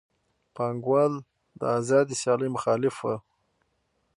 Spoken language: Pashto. پانګوال د آزادې سیالۍ مخالف وو